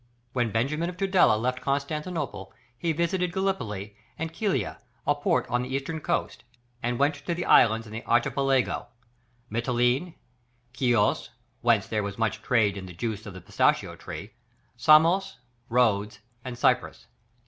] When Benjamin of Tudela left Constantinople, he visited Gallipoli and Kilia, a port on the Eastern coast, and went to the islands in the Archipelago, Mitylene, Chios, whence there was much trade in the juice of the pistachio tree, Samos, Rhodes, and Cyprus.